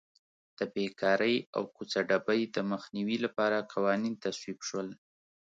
د بېکارۍ او کوڅه ډبۍ د مخنیوي لپاره قوانین تصویب شول.